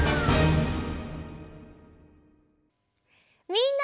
みんな！